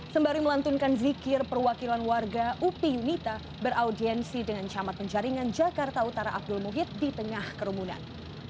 sembari melantunkan zikir perwakilan warga upi yunita beraudiensi dengan camat penjaringan jakarta utara abdul muhid di tengah kerumunan